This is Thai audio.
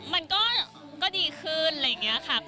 มันก็ดีขึ้นอะไรอย่างนี้ค่ะ